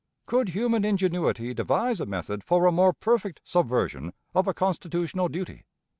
Could human ingenuity devise a method for a more perfect subversion of a constitutional duty?